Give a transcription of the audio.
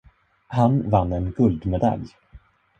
Han vann en guldmedalj.